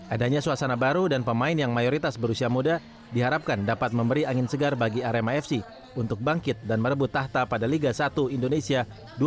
adanya suasana baru dan pemain yang mayoritas berusia muda diharapkan dapat memberi angin segar bagi arema fc untuk bangkit dan merebut tahta pada liga satu indonesia dua ribu dua puluh